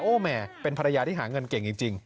แหมเป็นภรรยาที่หาเงินเก่งจริง